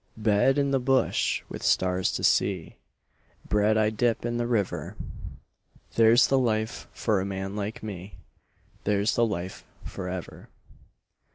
Bed in the bush with stars to see, Bread I dip in the river There's the life for a man like me, There's the life for ever.